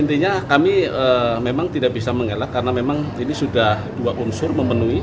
intinya kami memang tidak bisa mengelak karena memang ini sudah dua unsur memenuhi